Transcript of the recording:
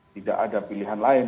tidak ada pilihan lain